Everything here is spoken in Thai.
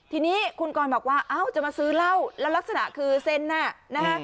ทีนี้คุณกรบอกว่าจะมาซื้อเล่าแล้วลักษณะคือเซ็นหน้า